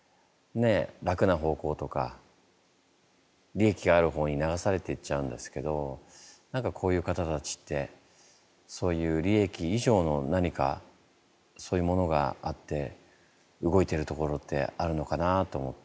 楽な方向とか利益がある方に流されていっちゃうんですけど何かこういう方たちってそういう利益以上の何かそういうものがあって動いてるところってあるのかなと思って。